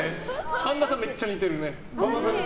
神田さん、めっちゃ似てるね。